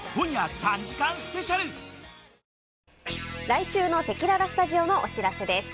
来週のせきららスタジオのお知らせです。